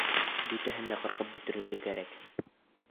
Бөтәһен дә ҡырып бөтөрөргә кәрәк.